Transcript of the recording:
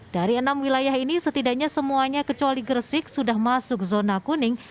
dari enam wilayah ini setidaknya semuanya kecuali gresik sudah masuk zona kuning